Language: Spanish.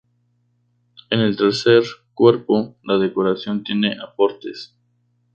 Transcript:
En el tercer cuerpo la decoración tiene aportes.